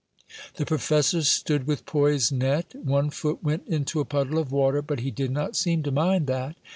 The professor stood with poised net. One foot went into a puddle of water, but he did not seem to mind that.